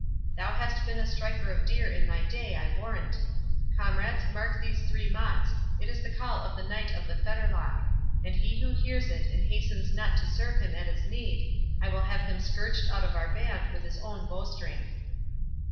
—thou hast been a striker of deer in thy day, I warrant.—Comrades, mark these three mots—it is the call of the Knight of the Fetterlock; and he who hears it, and hastens not to serve him at his need, I will have him scourged out of our band with his own bowstring."